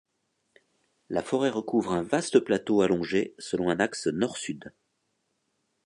La forêt recouvre un vaste plateau allongé selon un axe nord-sud.